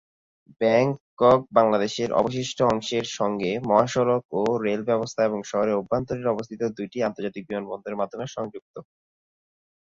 Bangkok দেশের অবশিষ্ট অংশের সঙ্গে মহাসড়ক ও রেল ব্যবস্থা এবং শহরের অভ্যন্তরে অবস্থিত দুটি আন্তর্জাতিক বিমানবন্দরের মাধ্যমে সংযুক্ত।